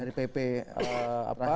dari pp prajur ya